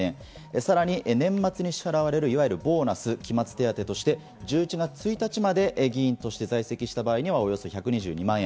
さらに年末に支払われる、いわゆるボーナス、期末手当として１１月１日まで議員として在籍した場合にはおよそ１２２万円。